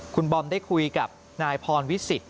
คุณบอมได้คุยกับนายพรวิสิต